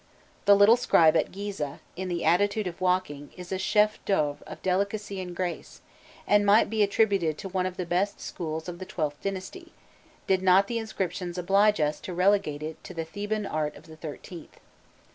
The little scribe at Gîzeh, in the attitude of walking, is a chef d'oeuvre of delicacy and grace, and might be attributed to one of the best schools of the XIIth dynasty, did not the inscriptions oblige us to relegate it to the Theban art of the XIIIth.